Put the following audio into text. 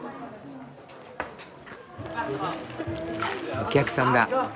お客さんだ。